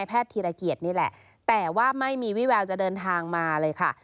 ธีรเกียจนี่แหละแต่ว่าไม่มีวิแววจะเดินทางมาเลยค่ะ